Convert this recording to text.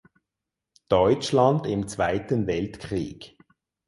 Deutschland im Zweiten Weltkrieg.